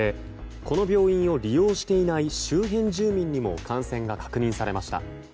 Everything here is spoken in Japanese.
この病院を利用していない周辺住民にも感染が確認されました。